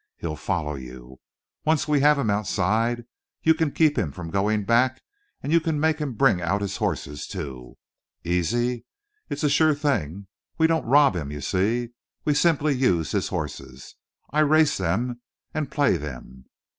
He'll follow you. Once we have him outside you can keep him from going back and you can make him bring out his horses, too. Easy? It's a sure thing! We don't rob him, you see? We simply use his horses. I race them and play them.